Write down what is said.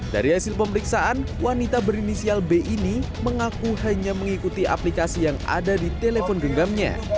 dari hasil pemeriksaan wanita berinisial b ini mengaku hanya mengikuti aplikasi yang ada di telepon genggamnya